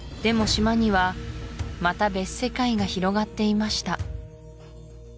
島にはまた別世界が広がっていました